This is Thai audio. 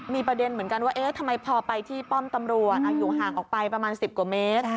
มีประเด็นเหมือนกันว่าทำไมพอไปที่ป้อมตำรวจอยู่ห่างออกไปประมาณ๑๐กว่าเมตร